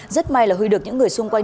rất may là huy được những người xung quanh